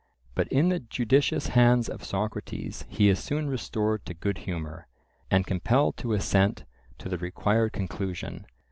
But in the judicious hands of Socrates he is soon restored to good humour, and compelled to assent to the required conclusion.